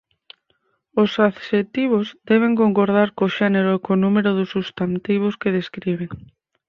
Os adxectivos deben concordar co xénero e co número dos substantivos que describen.